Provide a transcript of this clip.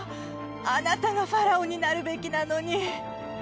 あなたがファラオになるべきなのに。